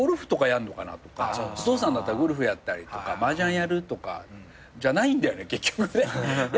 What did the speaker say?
お父さんだったらゴルフやったりとかマージャンやるとかじゃないんだよね結局ね。